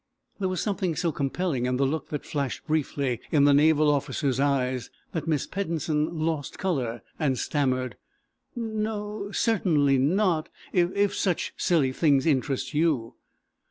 There was something so compelling in the look that flashed briefly in the naval officer's eyes that Miss Peddensen lost color, and stammered: "No o o, certainly not; if such silly things interest you."